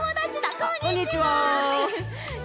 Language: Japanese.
こんにちは。